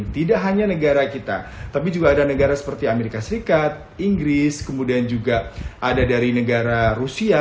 tidak hanya negara kita tapi juga ada negara seperti amerika serikat inggris kemudian juga ada dari negara rusia